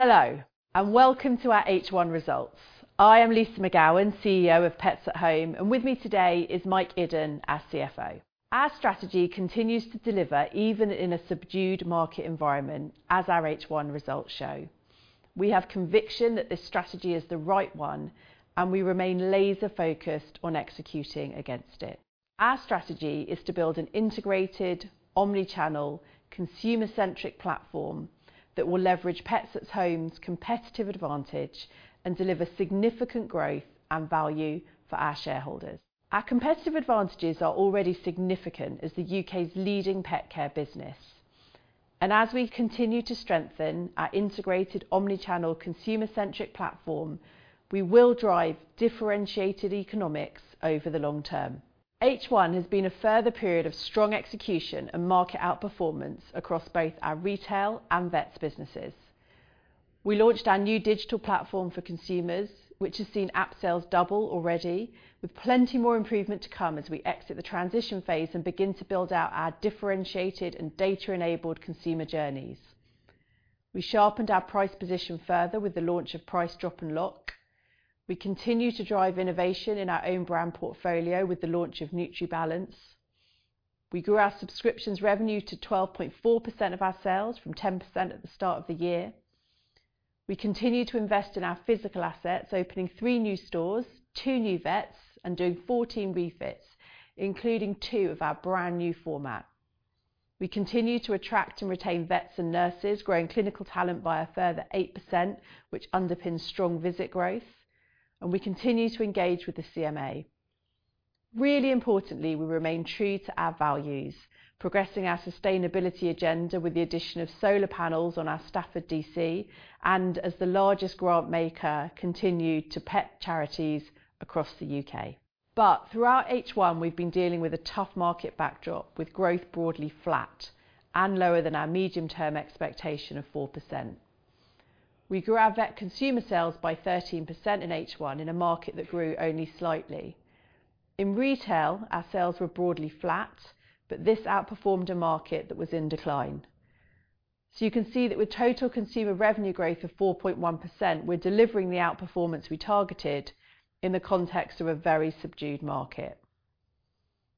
Hello, and welcome to our H1 results. I am Lyssa McGowan, CEO of Pets at Home, and with me today is Mike Iddon, our CFO. Our strategy continues to deliver even in a subdued market environment, as our H1 results show. We have conviction that this strategy is the right one, and we remain laser-focused on executing against it. Our strategy is to build an integrated, omnichannel, consumer-centric platform that will leverage Pets at Home's competitive advantage and deliver significant growth and value for our shareholders. Our competitive advantages are already significant as the UK's leading pet care business, and as we continue to strengthen our integrated, omnichannel, consumer-centric platform, we will drive differentiated economics over the long term. H1 has been a further period of strong execution and market outperformance across both our Retail and vets businesses. We launched our new digital platform for consumers, which has seen app sales double already, with plenty more improvement to come as we exit the transition phase and begin to build out our differentiated and data-enabled consumer journeys. We sharpened our price position further with the launch of Price Drop & Lock. We continue to drive innovation in our own brand portfolio with the launch of NutriBalance. We grew our subscriptions revenue to 12.4% of our sales, from 10% at the start of the year. We continue to invest in our physical assets, opening three new stores, two new vets, and doing 14 refits, including two of our brand-new format. We continue to attract and retain vets and nurses, growing clinical talent by a further 8%, which underpins strong visit growth, and we continue to engage with the CMA Really importantly, we remain true to our values, progressing our sustainability agenda with the addition of solar panels on our Stafford DC and, as the largest grant maker, continue to support pet charities across the UK. But throughout H1, we've been dealing with a tough market backdrop, with growth broadly flat and lower than our medium-term expectation of 4%. We grew our vet consumer sales by 13% in H1 in a market that grew only slightly. In retail, our sales were broadly flat, but this outperformed a market that was in decline. So you can see that with total consumer revenue growth of 4.1%, we're delivering the outperformance we targeted in the context of a very subdued market.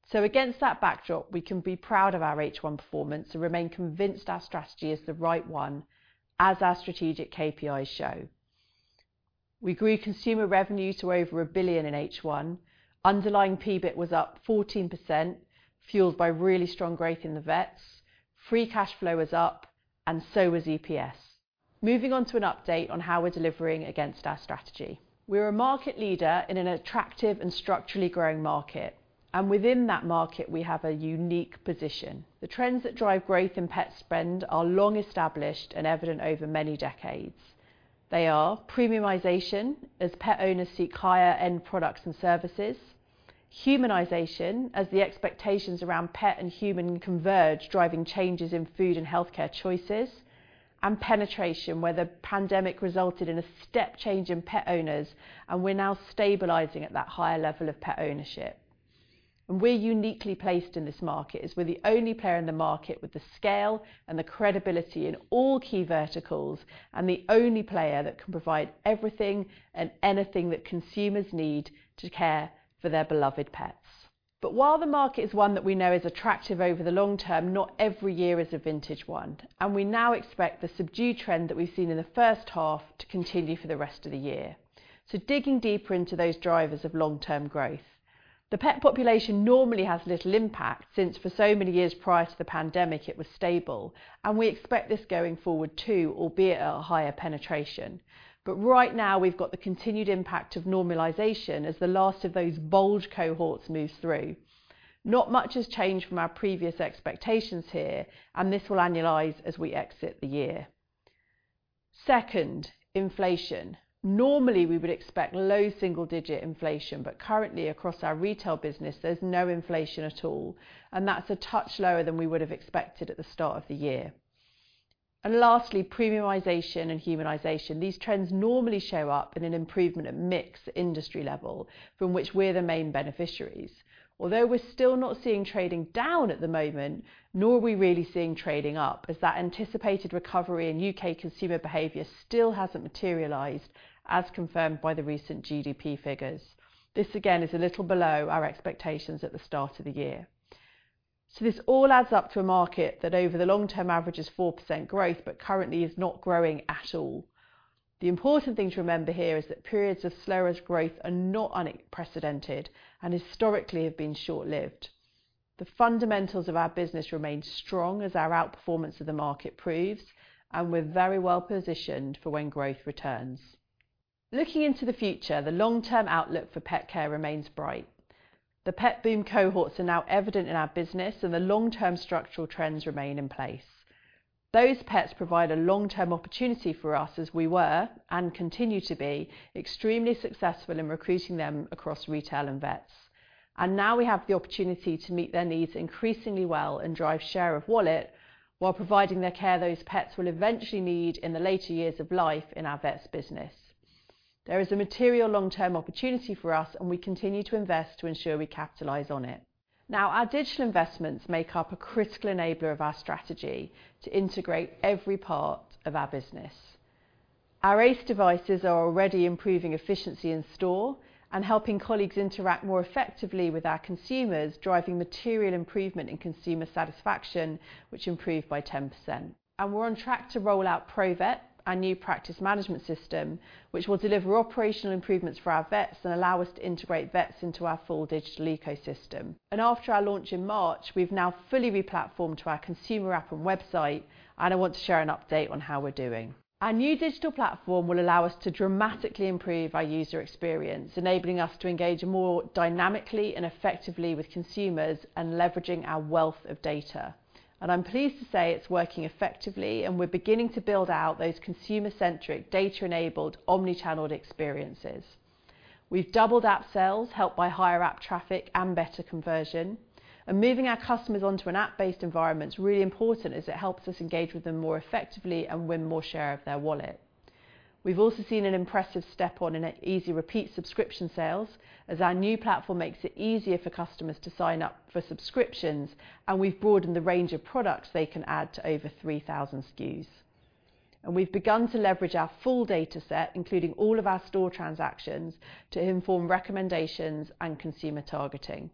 So against that backdrop, we can be proud of our H1 performance and remain convinced our strategy is the right one, as our strategic KPIs show. We grew consumer revenue to over 1 billion in H1. Underlying PBIT was up 14%, fueled by really strong growth in the vets. Free cash flow was up, and so was EPS. Moving on to an update on how we're delivering against our strategy. We're a market leader in an attractive and structurally growing market, and within that market, we have a unique position. The trends that drive growth in pet spend are long-established and evident over many decades. They are premiumization, as pet owners seek higher-end products and services. Humanization, as the expectations around pet and human converge, driving changes in food and healthcare choices. And penetration, where the pandemic resulted in a step change in pet owners, and we're now stabilizing at that higher level of pet ownership. And we're uniquely placed in this market as we're the only player in the market with the scale and the credibility in all key verticals and the only player that can provide everything and anything that consumers need to care for their beloved pets. But while the market is one that we know is attractive over the long term, not every year is a vintage one, and we now expect the subdued trend that we've seen in the first half to continue for the rest of the year. So digging deeper into those drivers of long-term growth, the pet population normally has little impact since, for so many years prior to the pandemic, it was stable, and we expect this going forward too, albeit at a higher penetration. But right now, we've got the continued impact of normalization as the last of those bulge cohorts moves through. Not much has changed from our previous expectations here, and this will annualize as we exit the year. Second, inflation. Normally, we would expect low single-digit inflation, but currently, across our retail business, there's no inflation at all, and that's a touch lower than we would have expected at the start of the year, and lastly, premiumization and humanization. These trends normally show up in an improvement in mix at industry level, from which we're the main beneficiaries. Although we're still not seeing trading down at the moment, nor are we really seeing trading up, as that anticipated recovery in UK consumer behavior still hasn't materialized, as confirmed by the recent GDP figures. This, again, is a little below our expectations at the start of the year, so this all adds up to a market that, over the long term, averages 4% growth but currently is not growing at all. The important thing to remember here is that periods of slowest growth are not unprecedented and historically have been short-lived. The fundamentals of our business remain strong, as our outperformance of the market proves, and we're very well positioned for when growth returns. Looking into the future, the long-term outlook for pet care remains bright. The pet boom cohorts are now evident in our business, and the long-term structural trends remain in place. Those pets provide a long-term opportunity for us, as we were and continue to be extremely successful in recruiting them across retail and vets, and now we have the opportunity to meet their needs increasingly well and drive share of wallet while providing the care those pets will eventually need in the later years of life in our vets business. There is a material long-term opportunity for us, and we continue to invest to ensure we capitalize on it. Now, our digital investments make up a critical enabler of our strategy to integrate every part of our business. Our ACE devices are already improving efficiency in store and helping colleagues interact more effectively with our consumers, driving material improvement in consumer satisfaction, which improved by 10%, and we're on track to roll out Provet, our new practice management system, which will deliver operational improvements for our vets and allow us to integrate vets into our full digital ecosystem, and after our launch in March, we've now fully replatformed to our consumer app and website, and I want to share an update on how we're doing. Our new digital platform will allow us to dramatically improve our user experience, enabling us to engage more dynamically and effectively with consumers and leveraging our wealth of data, and I'm pleased to say it's working effectively, and we're beginning to build out those consumer-centric, data-enabled, omnichannel experiences. We've doubled app sales, helped by higher app traffic and better conversion, and moving our customers onto an app-based environment is really important as it helps us engage with them more effectively and win more share of their wallet. We've also seen an impressive step up in Easy Repeat subscription sales, as our new platform makes it easier for customers to sign up for subscriptions, and we've broadened the range of products they can add to over 3,000 SKUs, and we've begun to leverage our full data set, including all of our store transactions, to inform recommendations and consumer targeting.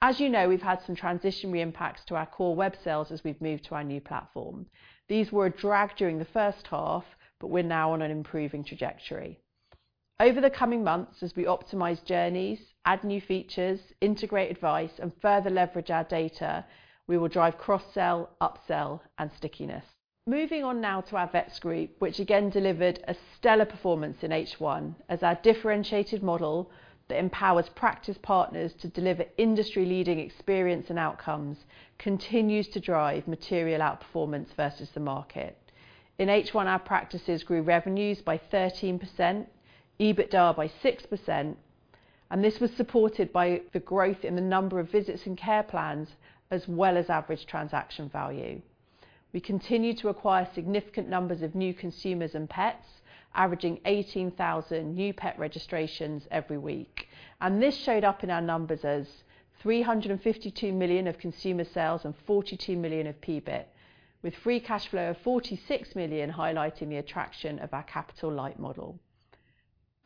As you know, we've had some transitionary impacts to our core web sales as we've moved to our new platform. These were a drag during the first half, but we're now on an improving trajectory. Over the coming months, as we optimize journeys, add new features, integrate advice, and further leverage our data, we will drive cross-sell, upsell, and stickiness. Moving on now to our Vet Group, which again delivered a stellar performance in H1, as our differentiated model that empowers practice partners to deliver industry-leading experience and outcomes continues to drive material outperformance versus the market. In H1, our practices grew revenues by 13%, EBITDA by 6%, and this was supported by the growth in the number of visits and care plans as well as average transaction value. We continue to acquire significant numbers of new consumers and pets, averaging 18,000 new pet registrations every week. This showed up in our numbers as 352 million of consumer sales and 42 million of PBIT, with free cash flow of 46 million highlighting the attraction of our capital light model.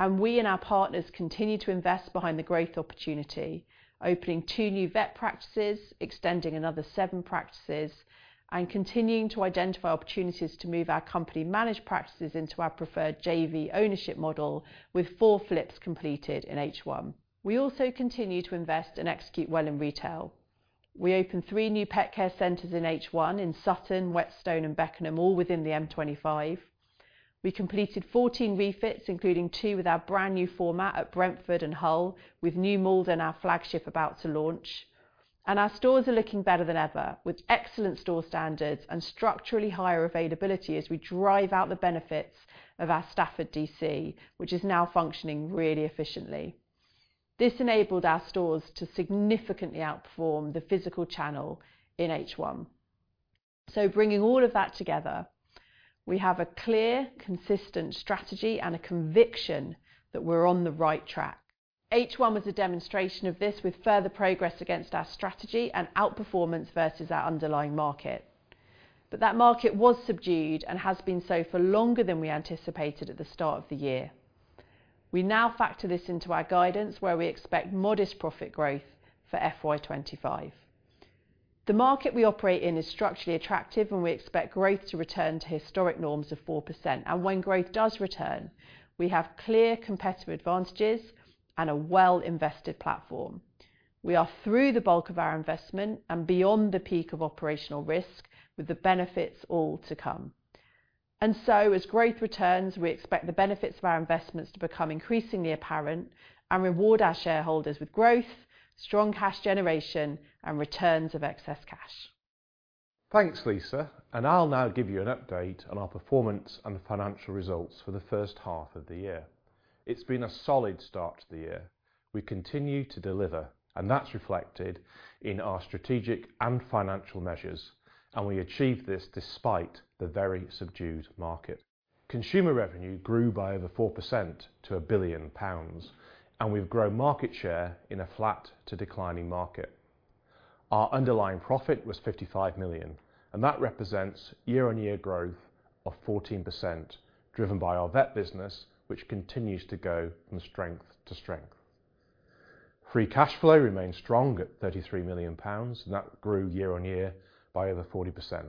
We and our partners continue to invest behind the growth opportunity, opening two new vet practices, extending another seven practices, and continuing to identify opportunities to move our company-managed practices into our preferred JV ownership model with four flips completed in H1. We also continue to invest and execute well in retail. We opened three new Pet Care Centres in H1 in Sutton, Whetstone, and Beckenham, all within the M25. We completed 14 refits, including two with our brand-new format at Brentford and Hull, with New Malden and our flagship about to launch. Our stores are looking better than ever, with excellent store standards and structurally higher availability as we drive out the benefits of our Stafford DC, which is now functioning really efficiently. This enabled our stores to significantly outperform the physical channel in H1. Bringing all of that together, we have a clear, consistent strategy and a conviction that we're on the right track. H1 was a demonstration of this with further progress against our strategy and outperformance versus our underlying market. That market was subdued and has been so for longer than we anticipated at the start of the year. We now factor this into our guidance, where we expect modest profit growth for FY2025. The market we operate in is structurally attractive, and we expect growth to return to historic norms of 4%. When growth does return, we have clear competitive advantages and a well-invested platform. We are through the bulk of our investment and beyond the peak of operational risk, with the benefits all to come. And so, as growth returns, we expect the benefits of our investments to become increasingly apparent and reward our shareholders with growth, strong cash generation, and returns of excess cash. Thanks, Lyssa. And I'll now give you an update on our performance and financial results for the first half of the year. It's been a solid start to the year. We continue to deliver, and that's reflected in our strategic and financial measures, and we achieved this despite the very subdued market. Consumer revenue grew by over 4% to 1 billion pounds, and we've grown market share in a flat to declining market. Our underlying profit was 55 million, and that represents year-on-year growth of 14%, driven by our vet business, which continues to go from strength to strength. Free cash flow remained strong at 33 million pounds, and that grew year-on-year by over 40%.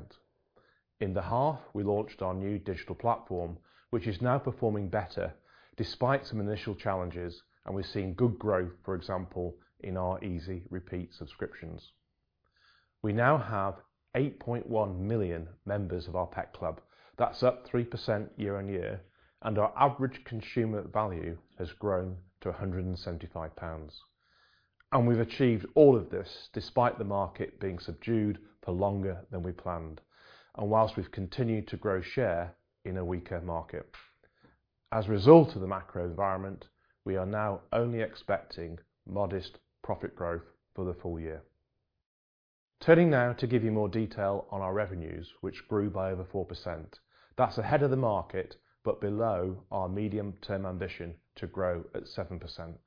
In the half, we launched our new Digital platform, which is now performing better despite some initial challenges, and we've seen good growth, for example, in our Easy Repeat subscriptions. We now have 8.1 million members of our pet club. That's up 3% year-on-year, and our average consumer value has grown to 175 pounds. And we've achieved all of this despite the market being subdued for longer than we planned, and whilst we've continued to grow share in a weaker market. As a result of the macro environment, we are now only expecting modest profit growth for the full year. Turning now to give you more detail on our revenues, which grew by over four%. That's ahead of the market but below our medium-term ambition to grow at seven%.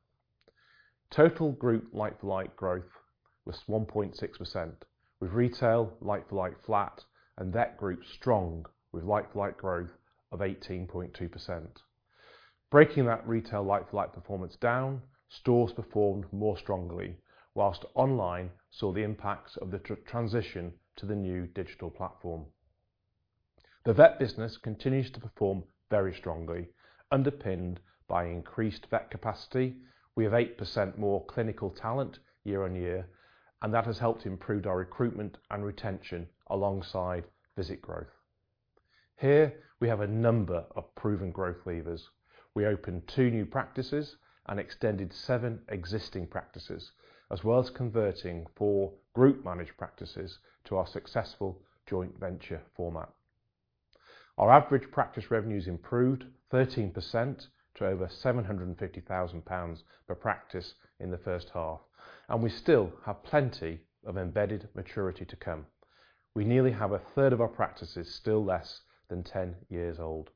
Total group like-for-like growth was 1.6%, with retail like-for-like flat and vet group strong with like-for-like growth of 18.2%. Breaking that retail like-for-like performance down, stores performed more strongly, while online saw the impacts of the transition to the new digital platform. The vet business continues to perform very strongly, underpinned by increased vet capacity. We have eight% more clinical talent year-on-year, and that has helped improve our recruitment and retention alongside visit growth. Here, we have a number of proven growth levers. We opened two new practices and extended seven existing practices, as well as converting four group-managed practices to our successful joint venture format. Our average practice revenues improved 13% to over 750,000 pounds per practice in the first half, and we still have plenty of embedded maturity to come. We nearly have a third of our practices still less than 10 years old.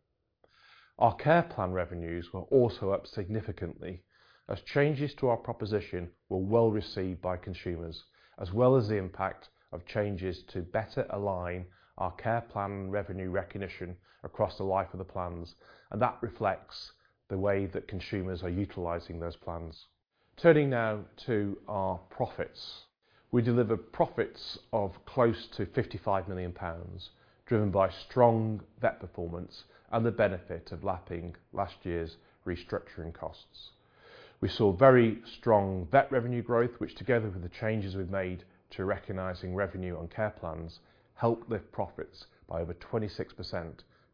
Our care plan revenues were also up significantly, as changes to our proposition were well received by consumers, as well as the impact of changes to better align our care plan revenue recognition across the life of the plans, and that reflects the way that consumers are utilizing those plans. Turning now to our profits, we deliver profits of close to 55 million pounds, driven by strong vet performance and the benefit of lapping last year's restructuring costs. We saw very strong vet revenue growth, which together with the changes we've made to recognizing revenue on care plans helped lift profits by over 26%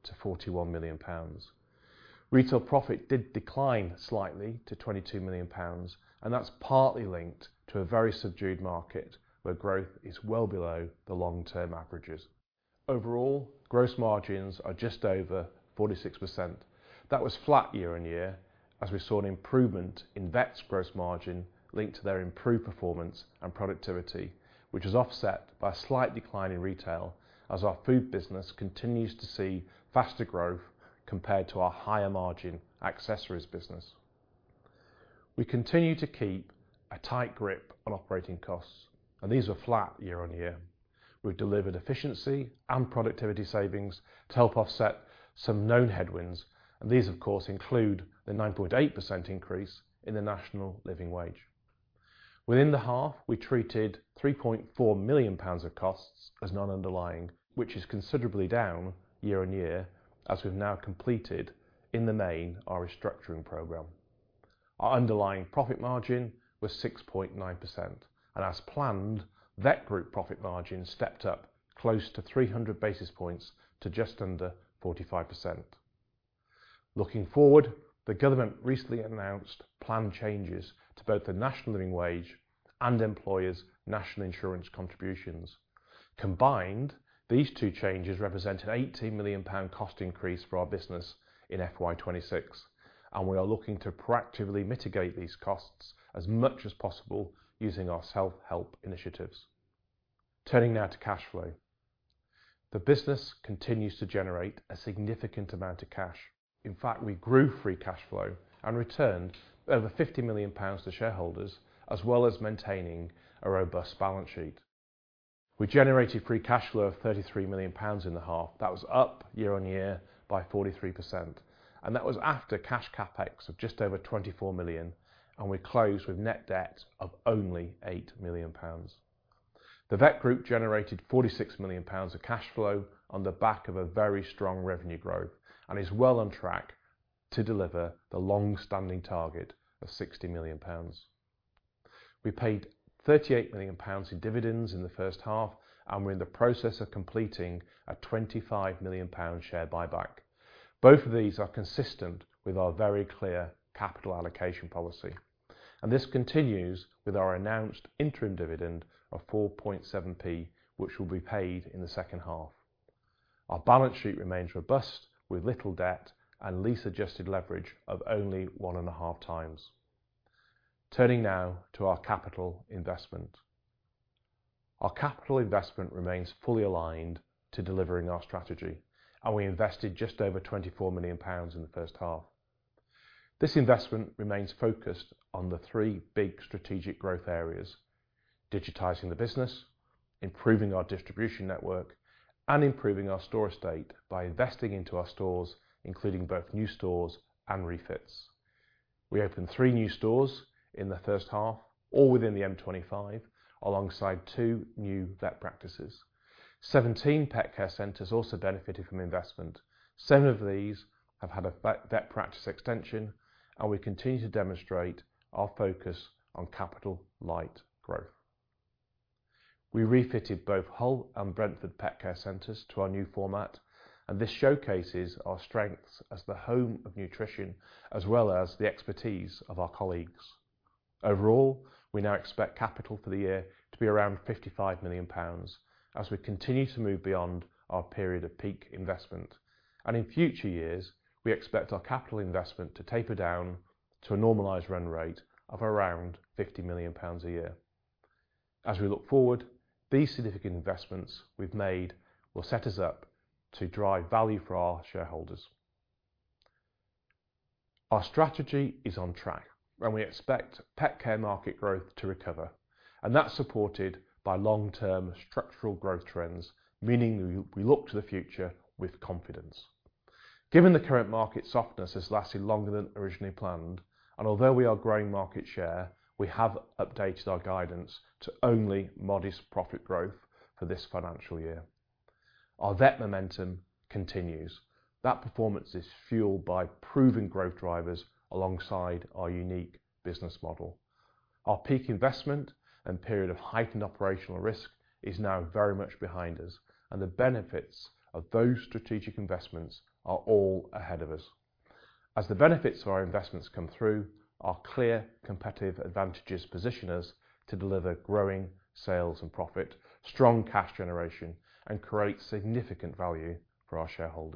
to 41 million pounds. Retail profit did decline slightly to 22 million pounds, and that's partly linked to a very subdued market where growth is well below the long-term averages. Overall, gross margins are just over 46%. That was flat year-on-year, as we saw an improvement in vets' gross margin linked to their improved performance and productivity, which is offset by a slight decline in retail, as our food business continues to see faster growth compared to our higher-margin accessories business. We continue to keep a tight grip on operating costs, and these are flat year-on-year. We've delivered efficiency and productivity savings to help offset some known headwinds, and these, of course, include the 9.8% increase in the National Living Wage. Within the half, we treated 3.4 million pounds of costs as non-underlying, which is considerably down year-on-year, as we've now completed in the main our restructuring program. Our underlying profit margin was 6.9%, and as planned, vet group profit margin stepped up close to 300 basis points to just under 45%. Looking forward, the government recently announced plan changes to both the National Living Wage and employers' National Insurance contributions. Combined, these two changes represent an 18 million pound cost increase for our business in FY2026, and we are looking to proactively mitigate these costs as much as possible using our self-help initiatives. Turning now to cash flow, the business continues to generate a significant amount of cash. In fact, we grew free cash flow and returned over 50 million pounds to shareholders, as well as maintaining a robust balance sheet. We generated free cash flow of 33 million pounds in the half. That was up year-on-year by 43%, and that was after cash CapEx of just over 24 million, and we closed with net debt of only 8 million pounds. The vet group generated 46 million pounds of cash flow on the back of a very strong revenue growth and is well on track to deliver the long-standing target of 60 million pounds. We paid 38 million pounds in dividends in the first half, and we're in the process of completing a 25 million pound share buyback. Both of these are consistent with our very clear capital allocation policy, and this continues with our announced interim dividend of 4.7p, which will be paid in the second half. Our balance sheet remains robust with little debt and lease-adjusted leverage of only one and a half times. Turning now to our capital investment, our capital investment remains fully aligned to delivering our strategy, and we invested just over 24 million pounds in the first half. This investment remains focused on the three big strategic growth areas: digitizing the business, improving our distribution network, and improving our store estate by investing into our stores, including both new stores and refits. We opened three new stores in the first half, all within the M25, alongside two new vet practices. 17 Pet Care Centres also benefited from investment. Seven of these have had a vet practice extension, and we continue to demonstrate our focus on capital light growth. We refitted both Hull and Brentford Pet Care Centres to our new format, and this showcases our strengths as the home of nutrition, as well as the expertise of our colleagues. Overall, we now expect capital for the year to be around 55 million pounds, as we continue to move beyond our period of peak investment. And in future years, we expect our capital investment to taper down to a normalized run rate of around 50 million pounds a year. As we look forward, these significant investments we've made will set us up to drive value for our shareholders. Our strategy is on track, and we expect pet care market growth to recover, and that's supported by long-term structural growth trends, meaning we look to the future with confidence. Given the current market softness has lasted longer than originally planned, and although we are growing market share, we have updated our guidance to only modest profit growth for this financial year. Our vet momentum continues. That performance is fueled by proven growth drivers alongside our unique business model. Our peak investment and period of heightened operational risk is now very much behind us, and the benefits of those strategic investments are all ahead of us. As the benefits of our investments come through, our clear competitive advantages position us to deliver growing sales and profit, strong cash generation, and create significant value for our shareholders.